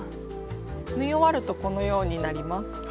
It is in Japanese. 縫い終わるとこのようになります。